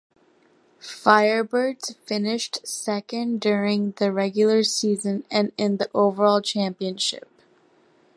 Firebirds finished second during the regular season and in the overall championship.